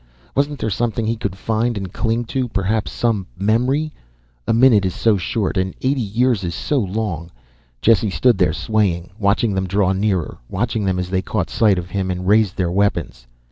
Wasn't there something he could find and cling to, perhaps some memory ? A minute is so short, and eighty years is so long. Jesse stood there, swaying, watching them draw nearer, watching them as they caught sight of him and raised their weapons.